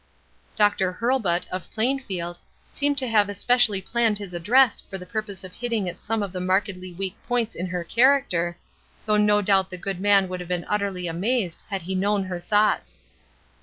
Dr. Hurlbut, of Plainfield, seemed to have especially planned his address for the purpose of hitting at some of the markedly weak points in her character, though no doubt the good man would have been utterly amazed had he known her thoughts.